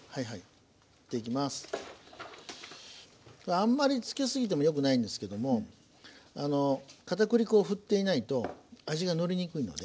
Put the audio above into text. あんまり付けすぎてもよくないんですけどもかたくり粉を振っていないと味がのりにくいので。